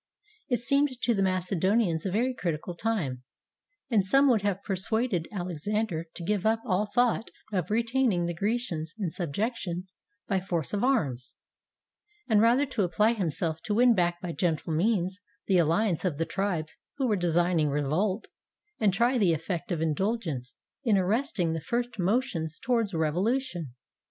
It seemed to the Macedonians a very critical time; and some would have persuaded Alexander to give up all thought of retaining the Grecians in subjection by force of arms, and rather to apply himself to win back by gentle means the allegiance of the tribes who were designing revolt, and try the effect of indulgence in arresting the first motions towards revolution.